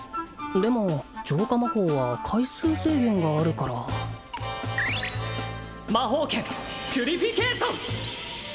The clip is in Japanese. でも浄化魔法は回数制限があるから魔法剣ピュリフィケイション！